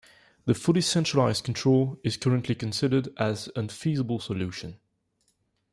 The fully centralized control is currently considered as infeasible solution.